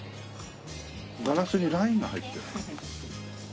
ガラスにラインが入ってる。